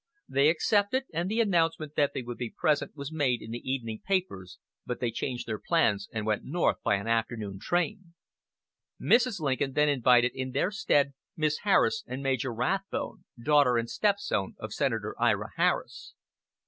They accepted, and the announcement that they would be present was made in the evening papers, but they changed their plans and went north by an afternoon train. Mrs. Lincoln then invited in their stead Miss Harris and Major Rathbone, daughter and stepson of Senator Ira Harris.